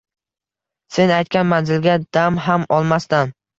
Sen aytgan manzilga dam ham olmasdan